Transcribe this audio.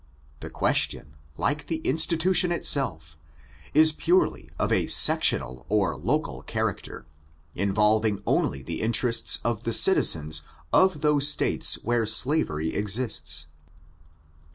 The question, like the institution itself, is purely of a sectional or local character, involving only the interests of the citizens of those States where slavery exists.